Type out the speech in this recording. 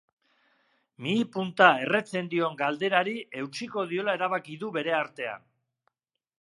Mihi punta erretzen dion galderari eutsiko diola erabaki du bere artean.